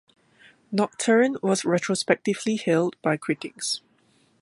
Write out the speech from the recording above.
"Nocturne" was retrospectively hailed by critics.